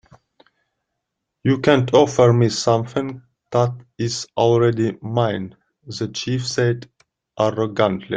"You can't offer me something that is already mine," the chief said, arrogantly.